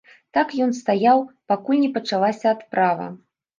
Так ён стаяў, пакуль не пачалася адправа.